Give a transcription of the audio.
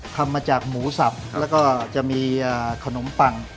ทำมาจากหมูสับแล้วก็จะมีขนมปัง